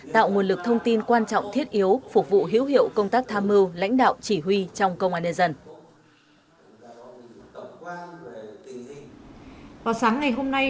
tạo nguồn lực thông tin quan trọng thiết yếu phục vụ hữu hiệu công tác tham mưu lãnh đạo chỉ huy trong công an nhân dân